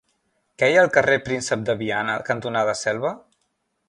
Què hi ha al carrer Príncep de Viana cantonada Selva?